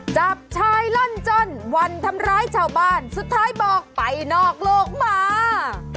จับชายล่อนจ้อนวันทำร้ายชาวบ้านสุดท้ายบอกไปนอกโลกมา